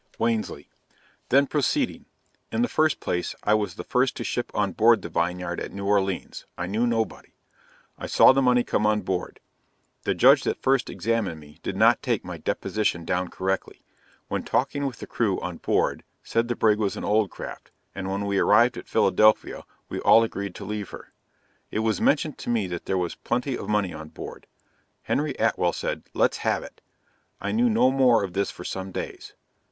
Wansley then proceeded. In the first place, I was the first to ship on board the Vineyard at New Orleans, I knew nobody; I saw the money come on board. The judge that first examined me, did not take my deposition down correctly. When talking with the crew on board, said the brig was an old craft, and when we arrived at Philadelphia, we all agreed to leave her. It was mentioned to me that there was plenty of money on board. Henry Atwell said "let's have it." I knew no more of this for some days.